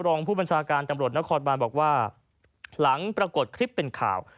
รองผู้บัญชาการตำรวจนครบานบอกว่าหลังปรากฏคลิปเป็นข่าว